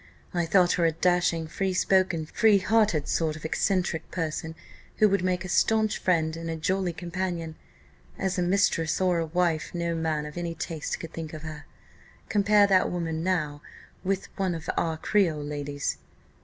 I thought her a dashing, free spoken, free hearted sort of eccentric person, who would make a staunch friend and a jolly companion. As a mistress, or a wife, no man of any taste could think of her. Compare that woman now with one of our Creole ladies."